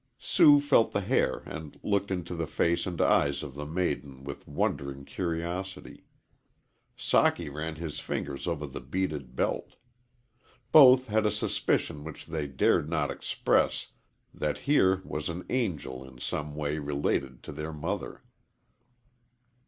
Sue felt the hair and looked into the face and eyes of the maiden with wondering curiosity. Socky ran his fingers over the beaded belt. Both had a suspicion which they dared not express that here was an angel in some way related to their mother.